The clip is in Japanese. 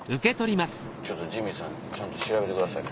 ちょっとジミーさんちゃんと調べてください。